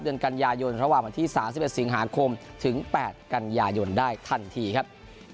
เดือนกันยายนระหว่างวันที่๓๑สิงหาคมถึง๘กันยายนได้ทันทีครับ